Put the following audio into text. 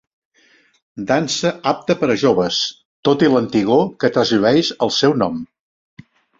Dansa apta per a joves, tot i l'antigor que trasllueix el seu nom.